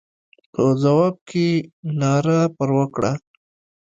په ځواب کې ناره پر وکړه.